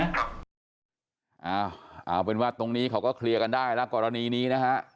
เอาเป็นว่าตรงนี้เขาก็เคลียร์กันได้แล้วกรณีนี้นะฮะ